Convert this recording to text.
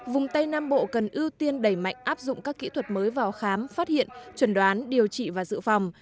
vùng tây nam bộ cần ưu tiên đẩy mạnh áp dụng các kỹ thuật mới vào khám phát hiện chuẩn đoán điều trị và dự phòng